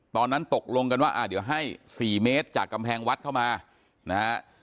ตอนนั้นตกลงกันว่าเดี๋ยวให้๔เมตรจากกำแพงวัดเข้ามานะฮะ